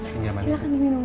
silahkan ini minum